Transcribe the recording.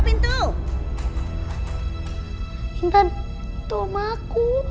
bentar tolong aku